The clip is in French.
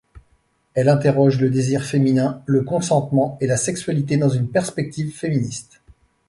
Elle interroge le désir féminin, le consentement et la sexualité dans une perspective féministe.